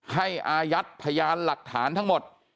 อายัดพยานหลักฐานทั้งหมด